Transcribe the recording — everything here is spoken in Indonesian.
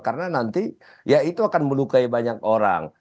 karena nanti ya itu akan melukai banyak orang